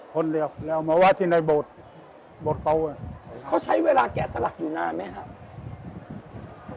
คนเดียวแล้วเอามาว่าที่ในโบสถ์เค้าใช้เวลาแกะสลักอยู่นานไหมครับ